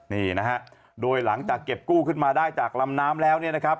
นี่นะฮะโดยหลังจากเก็บกู้ขึ้นมาได้จากลำน้ำแล้วเนี่ยนะครับ